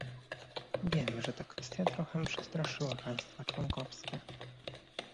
Wiem, że ta kwestia trochę przestraszyła państwa członkowskie